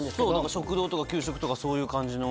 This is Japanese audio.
食堂とか給食とかそういう感じの。